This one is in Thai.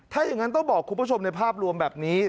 ถ้าอย่างนั้นต้องบอกคุณผู้ชมในภาพรวมแบบนี้